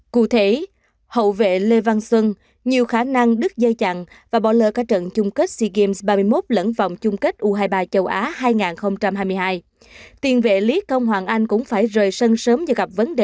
cụ thể hậu vệ lê văn xuân nhiều khả năng đứt dây chặn và bỏ lỡ cả trận chung kết sea games ba mươi một lẫn vòng chung kết u hai mươi ba châu á